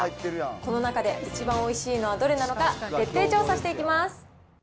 この中で一番おいしいのはどれなのか、徹底調査していきます。